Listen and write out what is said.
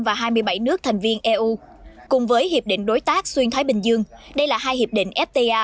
và hai mươi bảy nước thành viên eu cùng với hiệp định đối tác xuyên thái bình dương đây là hai hiệp định fta